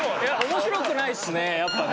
面白くないですねやっぱね。